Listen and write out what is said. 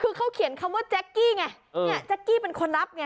คือเขาเขียนคำว่าแจ๊กกี้ไงเนี่ยแจ๊กกี้เป็นคนรับไง